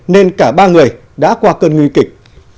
nên cả ba người đã qua cơn nguy kịch